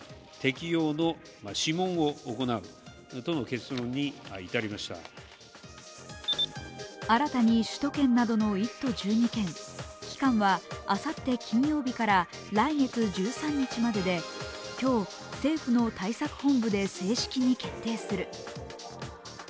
この状況に岸田総理は新たに首都圏などの１都１２県期間はあさって金曜日から来月１３日までで今日、政府の対策本部で正式に決定する。